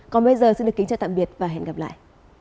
còn bây giờ xin kính chào tạm biệt và hẹn gặp lại